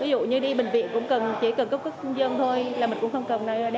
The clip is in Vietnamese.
ví dụ như đi bệnh viện cũng chỉ cần cân cước công dân thôi